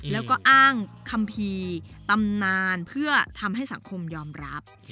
แล้วก็อ้างคัมภีร์ตำนานเพื่อทำให้สังคมยอมรับ